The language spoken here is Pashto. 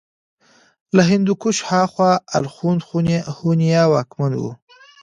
له هندوکش هاخوا الخون هونيان واکمن وو